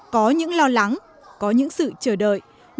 có những lo lắng có những sự chờ đợi